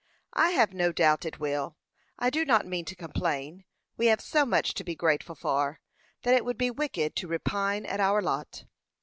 "I have no doubt it will. I do not mean to complain. We have so much to be grateful for, that it would be wicked to repine at our lot."